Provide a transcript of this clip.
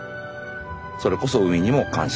それこそ海にも感謝